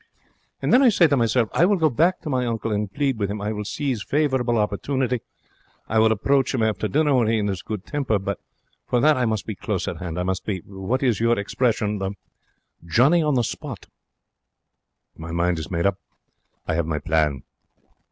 And then I say to myself, 'I will go back to my uncle, and plead with him. I will seize favourable opportunity. I will approach him after dinner when he is in good temper. But for that I must be close at hand. I must be what's your expression? "Johnny on the spot".' My mind is made up. I have my plan.